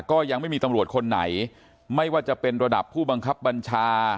ก็ยังไม่มีตำรวจคนไหนไม่ว่าจะเป็นระดับผู้บังคับบัญชา